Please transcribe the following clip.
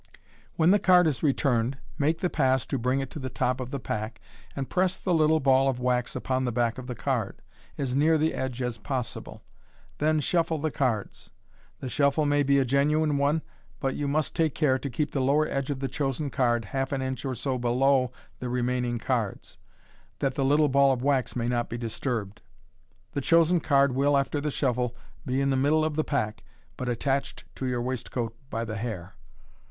When the card is returned, make the pass to bring it to the top of the pack, and press the little ball of wax upon the back of the card, as near the edge as possible. Then shuffle the cards. The shuffle may be a genuine one, but you must take care to keep the lower edge of the chosen card half an inch or so below the remaining cards, that the little ball of wax may not be disturbed. The chosen card will, after the shuffle, be in the middle of the pack, but attached to your w a»stcoat by the hair.